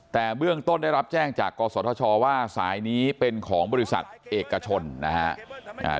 แต่เบื้องต้นได้รับแจ้งจากกศธชว่าสายนี้เป็นของบริษัทเอกชนนะฮะ